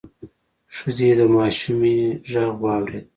ښځې د ماشومې غږ واورېد: